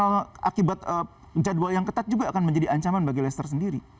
bahkan persaingan internal akibat jadwal yang ketat juga akan menjadi ancaman bagi leicester sendiri